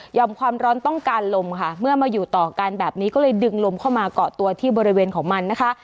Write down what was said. ความร้อนต้องการลมค่ะเมื่อมาอยู่ต่อกันแบบนี้ก็เลยดึงลมเข้ามาเกาะตัวที่บริเวณของมันนะคะ